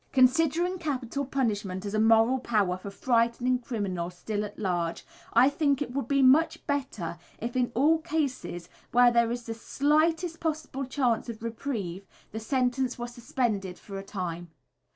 Considering capital punishment as a moral power for frightening criminals still at large, I think it would be much better, if in all cases where there is the slightest possible chance of reprieve, the sentence were suspended for a time.